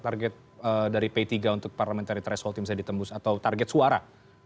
target dari p tiga untuk parliamentary threshold yang bisa ditembus atau target suara